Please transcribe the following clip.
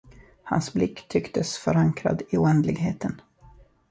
Hans blick tycktes förankrad i oändligheten.